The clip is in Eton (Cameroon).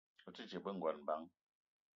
O te dje be ngon bang ?